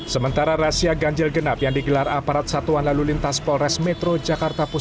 sementara rahasia ganjil genap yang digelar aparat satuan lalu lintas polres metro jakarta